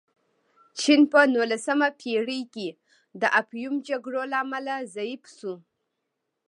چین په نولسمه پېړۍ کې د افیون جګړو له امله ضعیف شو.